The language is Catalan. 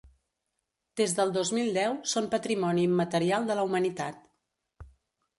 Des del dos mil deu són Patrimoni immaterial de la Humanitat.